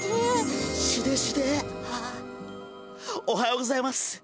おはようございます！